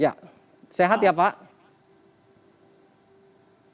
ya sehat ya pak